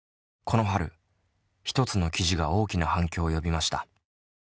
この春一つの記事が大きな反響を呼びました。